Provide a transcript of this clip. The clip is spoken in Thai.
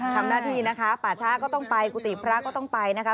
ทำหน้าที่นะคะป่าช้าก็ต้องไปกุฏิพระก็ต้องไปนะคะ